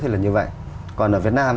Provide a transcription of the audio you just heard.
thì là như vậy còn ở việt nam